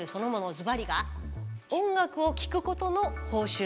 ズバリが「音楽を聴くことの報酬」。